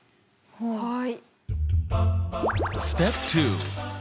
はい。